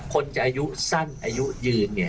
คนจะอายุสั้นอายุยืนเนี่ย